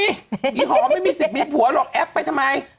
อีหอมไม่มีสิทธิ์มีผัวหรอกแอปไปทำไม